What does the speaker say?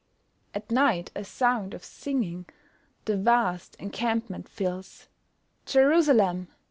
At night a sound of singing The vast encampment fills; "Jerusalem!